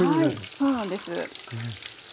はいそうなんです。